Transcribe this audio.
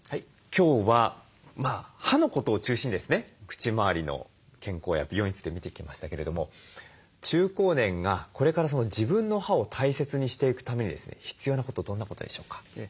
口まわりの健康や美容について見てきましたけれども中高年がこれから自分の歯を大切にしていくためにですね必要なことどんなことでしょうか？